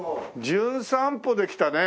『じゅん散歩』で来たね